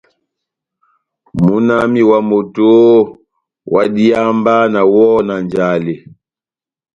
Múna wami na moto oooh, ohádiháha mba nawɔhɔ na njale !